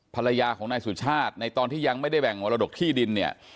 ภรรยาของนายสุชาติในตอนที่ยังไม่ได้แบ่งมรดกที่ดินเนี่ย